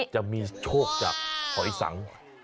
จะมีโชคจากหอยสัง